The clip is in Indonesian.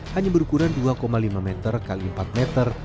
hanya berukuran dua lima meter x empat meter